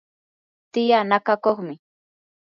tiyaa nakakuqmi.